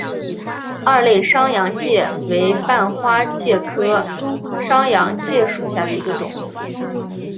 二肋商鞅介为半花介科商鞅介属下的一个种。